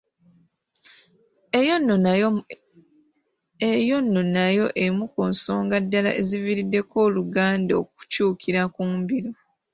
Eyo nno nayo emu ku nsonga ddala eziviiriddeko Oluganda okukyukira ku mbiro